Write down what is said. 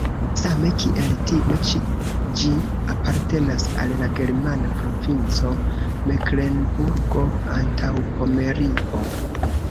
Same kiel tiu ĉi ĝi apartenas al la germana provinco Meklenburgo-Antaŭpomerio.